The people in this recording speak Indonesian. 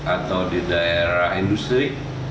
atau di daerah industri